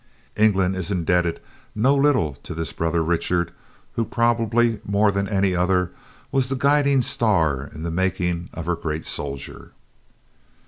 England is indebted no little to this brother Richard, who, probably more than any other, was the guiding star in the making of her great soldier.